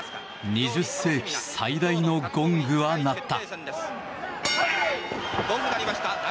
２０世紀最大のゴングは鳴った。